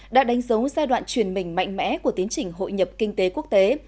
đã đánh dấu giai đoạn truyền mình mạnh mẽ của tiến trình hội nhập kinh tế quốc tế